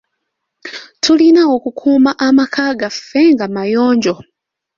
Tulina okukuuma amaka gaffe nga mayonjo.